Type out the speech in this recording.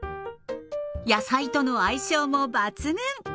野菜との相性も抜群。